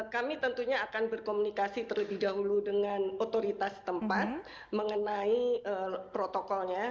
kami tentunya akan berkomunikasi terlebih dahulu dengan otoritas tempat mengenai protokolnya